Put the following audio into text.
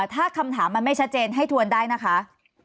ถ้าคำถามมันไม่ชัดเจนให้ทวนได้นะคะ